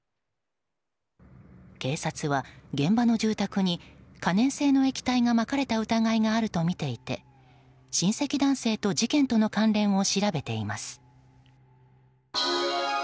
警察は現場の住宅に可燃性の液体がまかれた疑いがあるとみていて親戚男性と事件との関連を調べています。